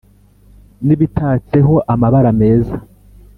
N'ibitatseho amabara meza